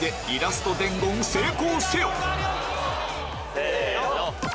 せの！